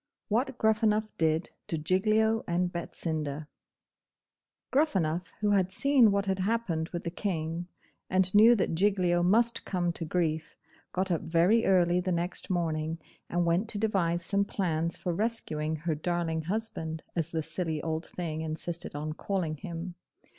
WHAT GRUFFANUFF DID TO GIGLIO AND BETSINDA Gruffanuff, who had seen what had happened with the King, and knew that Giglio must come to grief, got up very early the next morning, and went to devise some plans for rescuing her darling husband, as the silly old thing insisted on calling him.